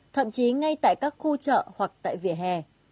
thậm chí ngay tại các khu chợ hoặc tại vỉa hè